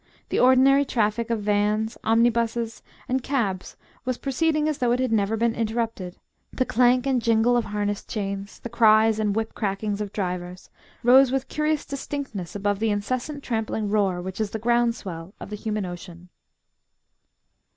The ordinary traffic of vans, omnibuses, and cabs was proceeding as though it had never been interrupted the clank and jingle of harness chains, the cries and whip crackings of drivers, rose with curious distinctness above the incessant trampling roar which is the ground swell of the human ocean.